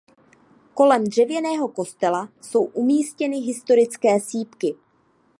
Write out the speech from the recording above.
Kolem dřevěného kostela jsou umístěny historické sýpky.